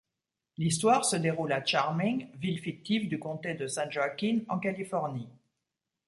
L'histoire se déroule à Charming, ville fictive du comté de San Joaquin en Californie.